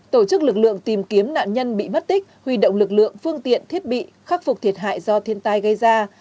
tổ chức lực lượng tìm kiếm nạn nhân bị mất tích huy động lực lượng phương tiện thiết bị khắc phục thiệt hại do thiên tai gây ra